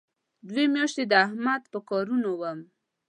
دوې میاشتې د احمد په کارونو وم.